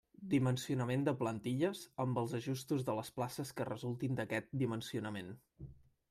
Dimensionament de plantilles, amb els ajustos de les places que resultin d'aquest dimensionament.